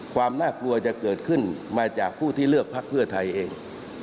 ความน่ากลัวจะเกิดขึ้นมาจากผู้ที่เลือกพักเพื่อไทยเอง